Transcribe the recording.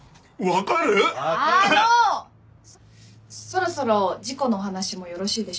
そろそろ事故のお話もよろしいでしょうか？